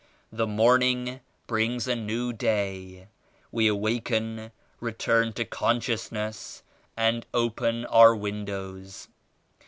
The morning brings a new day. We awaken, return to consciousness and open our windows.